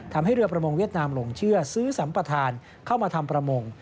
ทำให้เรือประมงเวียดนามหลงเชื่อซื้อสัมปทานเข้ามาทำประมง